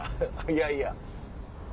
いやいや。